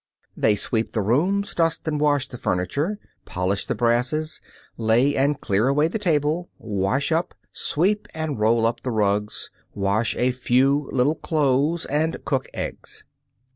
They sweep the rooms, dust and wash the furniture, polish the brasses, lay and clear away the table, wash up, sweep and roll up the rugs, wash a few little clothes, and cook eggs.